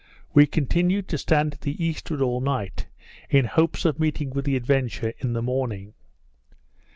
We continued to stand to the eastward all night, in hopes of meeting with the Adventure in the morning.